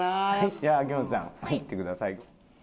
じゃあ秋元ちゃん入ってください。